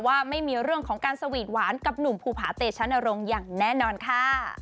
ว่าไม่มีเรื่องของการสวีทหวานกับหนุ่มภูผาเตชะนรงค์อย่างแน่นอนค่ะ